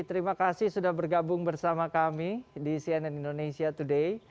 terima kasih sudah bergabung bersama kami di cnn indonesia today